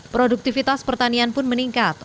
produktivitas pertanian pun meningkat